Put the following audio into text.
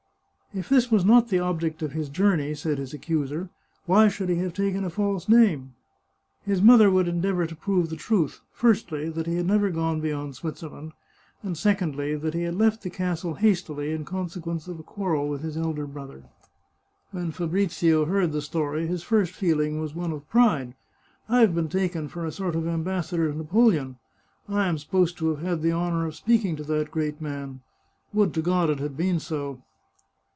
" If this was not the object of his journey," said his accuser, " why should he have taken a false name ?" His mother would endeavour to prove the truth ; firstly, that he had never gone beyond Switzerland, and, secondly, that he had left the castle hastily in consequence of a quarrel with his elder brother. When Fabrizio heard the story, his first feeling was one of pride. " I've been taken for a sort of ambassador to Napoleon ; I am supposed to have had the honour of speak ing to that great man. Would to God it had been so